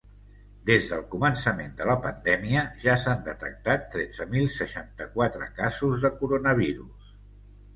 Des del començament de la pandèmia ja s’han detectat tretze mil seixanta-quatre casos de coronavirus.